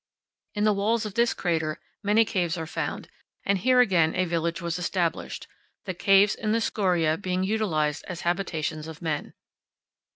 In the walls of this crater many caves are found, and here again a village was established, the caves in the scoria being utilized as habitations of men.